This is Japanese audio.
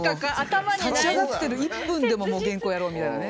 立ち上がってる１分でももう原稿やろう！みたいなね。